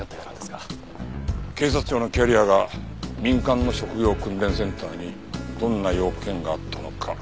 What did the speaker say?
警察庁のキャリアが民間の職業訓練センターにどんな用件があったのか。